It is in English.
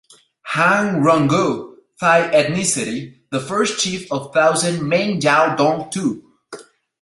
Han Ronggao, Thai ethnicity, the first Chief of thousands Meng Jiao Dong Tu.